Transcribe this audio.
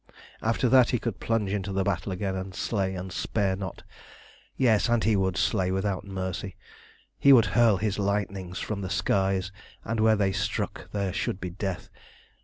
After that he could plunge into the battle again, and slay and spare not yes, and he would slay without mercy. He would hurl his lightnings from the skies, and where they struck there should be death.